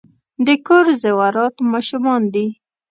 د کور زیورات ماشومان دي .